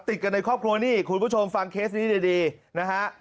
ติดกันในครอบครัวนี่คุณผู้ชมฟังเคสนี้ดีนะฮะ